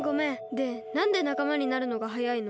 でなんでなかまになるのがはやいの？